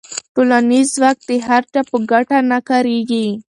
ټولنیز ځواک د هر چا په ګټه نه کارېږي.